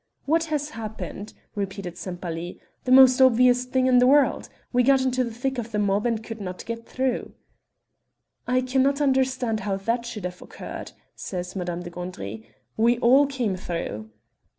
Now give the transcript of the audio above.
"What has happened?" repeated Sempaly. "The most obvious thing in the world. We got into the thick of the mob and could not get through." "I cannot understand how that should have occurred," says Madame de Gandry. "We all came through."